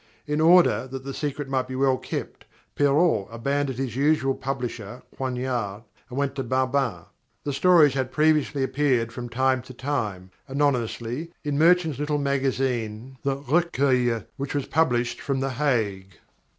In order that the secret might be well kept, Perrault abandoned his usual publisher, Coignard, and went to Barbin. The stories had previously appeared from time to time, anonymously, in Moetjens' little magazine the "Recueil," which was published from The Hague.